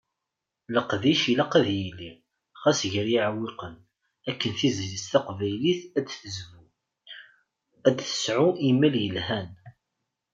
Leqdic ilaq ad yili, ɣas gar yiɛewwiqen. Akken tizlit taqbaylit ad tezbu, ad tesɛu imal yelhan.